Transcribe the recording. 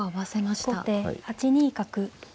後手８二角。